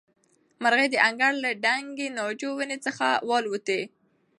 مرغۍ د انګړ له دنګې ناجو ونې څخه والوتې.